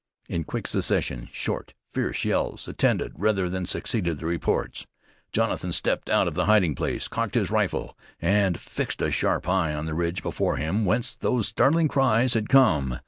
In quick succession short, fierce yells attended rather than succeeded, the reports. Jonathan stepped out of the hiding place, cocked his rifle, and fixed a sharp eye on the ridge before him whence those startling cries had come.